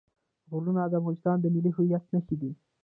غرونه د افغانستان د ملي هویت نښه ده.